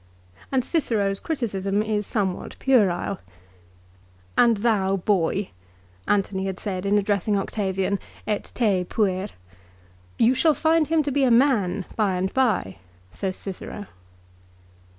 And Cicero's criticism is somewhat puerile. " And thou, boy !" Antony had said in addressing Octavian " Et te, puer !"" You shall find him to be a man by and by/' says Cicero.